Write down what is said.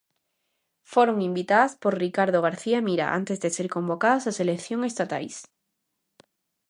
Foron invitadas por Ricardo García Mira antes de ser convocadas as eleccións estatais.